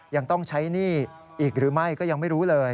ยังต้องใช้หนี้อีกหรือไม่ก็ยังไม่รู้เลย